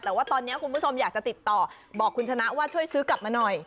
แต่ว่าตอนนี้คุณผู้ชมอยากจะติดต่อบอกคุณชนะว่าช่วยซื้อกลับมาหน่อย